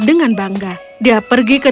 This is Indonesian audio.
dengan bangga dia pergi ke